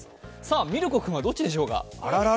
ミルコ君は、どっちでしょうか。